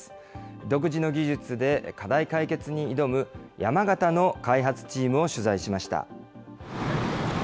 独自の技術で課題解決に挑む山形の開発チームを取材しました。